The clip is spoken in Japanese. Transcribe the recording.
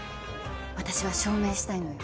私は証明したいのよ。